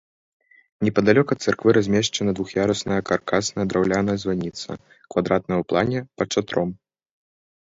Непадалёк ад царквы размешчана двух'ярусная каркасная драўляная званіца, квадратная ў плане, пад шатром.